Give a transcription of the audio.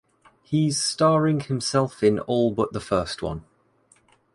He’s starring himself in all but the first one.